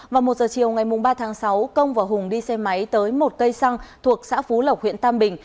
vào một giờ chiều ngày ba tháng sáu công và hùng đi xe máy tới một cây xăng thuộc xã phú lộc huyện tam bình